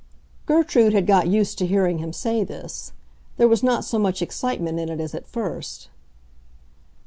Gertrude had got used to hearing him say this. There was not so much excitement in it as at first.